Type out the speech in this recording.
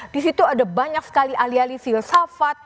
di situ ada banyak sekali alih alih filsafat